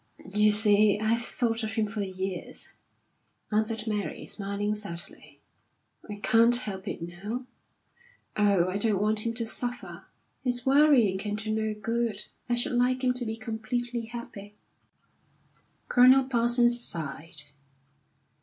"You see, I've thought of him for years," answered Mary, smiling sadly. "I can't help it now. Oh, I don't want him to suffer! His worrying can do no good, I should like him to be completely happy." Colonel Parsons sighed.